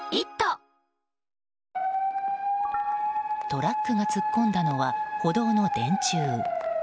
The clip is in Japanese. トラックが突っ込んだのは歩道の電柱。